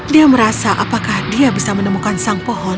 dia merasa apakah dia bisa menemukan sang pohon